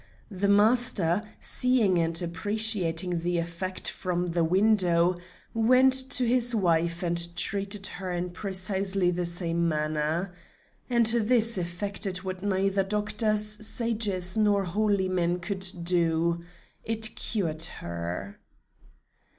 The master, seeing and appreciating the effect from the window, went to his wife and treated her in precisely the same manner. And this effected what neither doctors, sages, nor holy men could do it cured her.